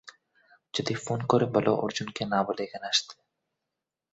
যদি ফোন করে বল, অর্জুনকে না বলে এখানে আসতে।